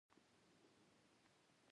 آیا مدني ټولنه فعاله ده؟